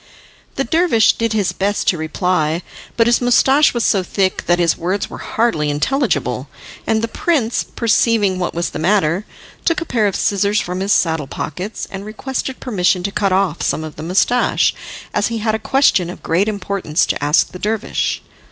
The dervish did his best to reply, but his moustache was so thick that his words were hardly intelligible, and the prince, perceiving what was the matter, took a pair of scissors from his saddle pockets, and requested permission to cut off some of the moustache, as he had a question of great importance to ask the dervish.